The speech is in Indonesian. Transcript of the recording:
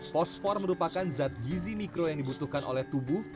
fosfor merupakan zat gizi mikro yang dibutuhkan oleh tubuh